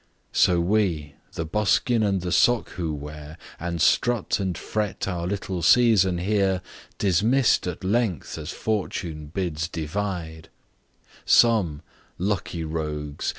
So we, the buskin and the sock who wear, And "strut and fret," our little season here, Dismiss'd at length, as fortune bids divide Some (lucky rogues!)